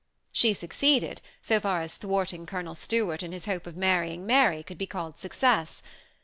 She succeeded so far as thwarting Colonel Stuart, in his hope of marrying Mary, could be called success.